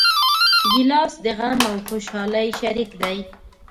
ګیلاس د غم او خوشحالۍ شریک دی.